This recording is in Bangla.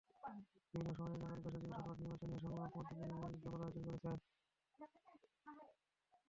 বিভিন্ন সামাজিক, নাগরিক, পেশাজীবী সংগঠন নির্বাচন নিয়ে সংলাপ, মতবিনিময় সভার আয়োজন করছে।